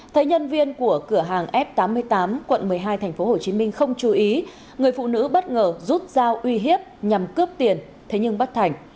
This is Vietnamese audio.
thấy nhân viên của cửa hàng f tám mươi tám quận một mươi hai tp hcm không chú ý người phụ nữ bất ngờ rút dao uy hiếp nhằm cướp tiền thế nhưng bắt thành